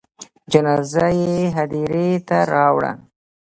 جنازه یې هدیرې ته راوړه.